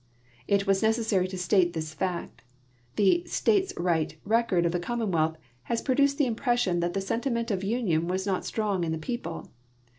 It is necessary to state this fact; the " states right " record of the commonwealth has pro duced the impression that the sentiment of union was not strong in the people.